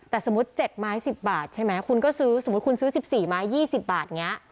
แต่สมมุติ๗ไม้๑๐บาทใช่ไหมคุณก็ซื้อสมมุติคุณซื้อ๑๔ไม้๒๐บาทอย่างนี้